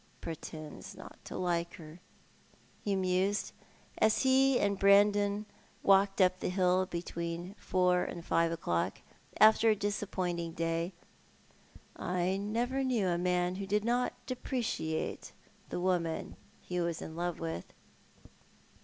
" Pretends not to admire Ivor," he mused, as he and Prandon walked up the liill between four and five o'clock, after a disap pointing day. " I never knew a man who did not dii)reciato the woman he was in love with.